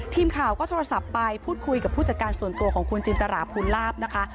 ทีมข่าวก็โทรศัพท์ไปพูดคุยกับผู้จัดการส่วนตัวของคุณจินตราภูลาภนะคะ